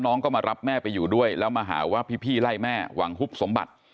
น้องก็มารับแม่ไปอยู่ด้วยแล้วมาหาว่าพี่ไล่แม่หวังฮุบสมบัติ